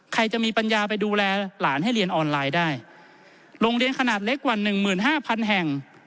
ใครจะมีปัญญาไปดูแลหลานให้เรียนออนไลน์ได้โรงเรียนขนาดเล็กกว่าหนึ่งหมื่นห้าพันแห่ง